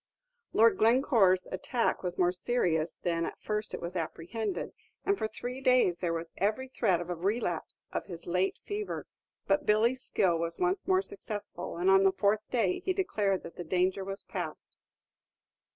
Lord Glencore's attack was more serious than at first it was apprehended, and for three days there was every threat of a relapse of his late fever; but Billy's skill was once more successful, and on the fourth day he declared that the danger was past.